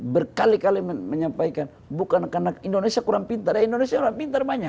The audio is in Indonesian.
berkali kali menyampaikan bukan karena indonesia kurang pintar indonesia orang pintar banyak